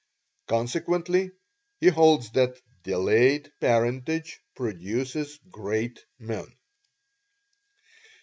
Consequently, he holds that DELAYED PARENTAGE PRODUCES GREAT MEN.